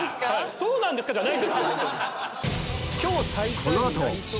「そうなんですか⁉」じゃない。